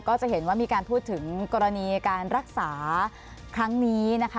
ก็จะเห็นว่ามีการพูดถึงกรณีการรักษาครั้งนี้นะคะ